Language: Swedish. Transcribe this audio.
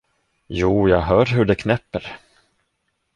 Jo, jag hör hur det knäpper.